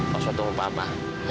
kalo suatu mau papa